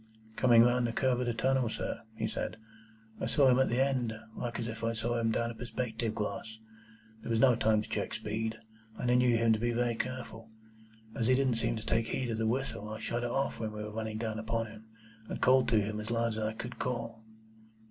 "Coming round the curve in the tunnel, sir," he said, "I saw him at the end, like as if I saw him down a perspective glass. There was no time to check speed, and I knew him to be very careful. As he didn't seem to take heed of the whistle, I shut it off when we were running down upon him, and called to him as loud as I could call."